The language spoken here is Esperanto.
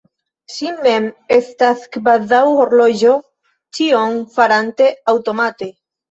Ŝi mem estas kvazaŭ horloĝo, ĉion farante aŭtomate.